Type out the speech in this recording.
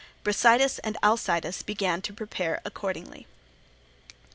Brasidas and Alcidas began to prepare accordingly.